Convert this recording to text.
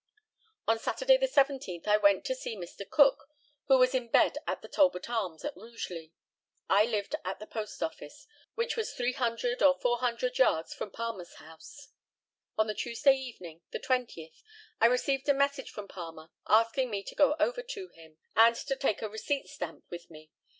On Saturday, the 17th, I went to see Mr. Cook, who was in bed at the Talbot Arms, at Rugeley. I lived at the post office, which was 300 or 400 yards from Palmer's house. On the Tuesday evening, the 20th, I received a message from Palmer, asking me to go over to him, and to take a receipt stamp with me.